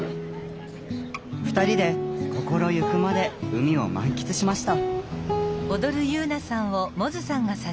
２人で心ゆくまで海を満喫しました。